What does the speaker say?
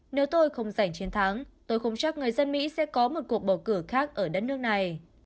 nếu tôi không giành chiến thắng tôi không chắc người dân mỹ sẽ có một cuộc bầu cử khác ở đất nước này